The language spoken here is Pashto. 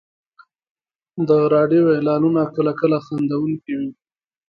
د راډیو اعلانونه کله کله خندونکي وي.